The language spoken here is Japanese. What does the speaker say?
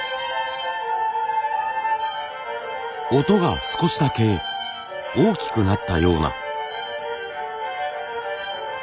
音が少しだけ大きくなったような。